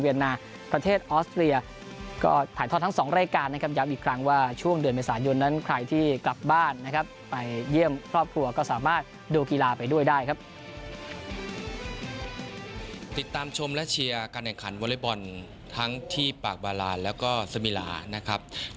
เยี่ยมครอบครัวก็สามารถดูกีฬาไปด้วยได้ครับ